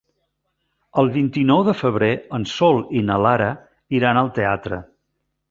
El vint-i-nou de febrer en Sol i na Lara iran al teatre.